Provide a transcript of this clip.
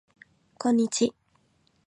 こんにち